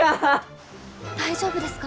大丈夫ですか？